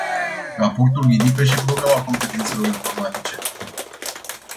Raportul ridică și problema competențelor informatice.